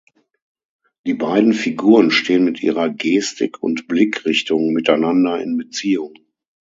Die beiden Figuren stehen mit ihrer Gestik und Blickrichtung miteinander in Beziehung.